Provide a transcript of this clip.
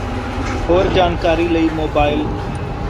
ਹੋਰ ਜਾਣਕਾਰੀ ਲਈ ਮੋਬਾਇਲ